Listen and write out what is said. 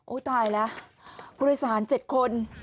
ตายแล้วผู้โดยสาร๗คน